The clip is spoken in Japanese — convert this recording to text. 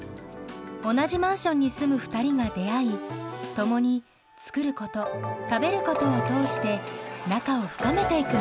同じマンションに住む２人が出会い共に「作ること」「食べること」を通して仲を深めていく物語。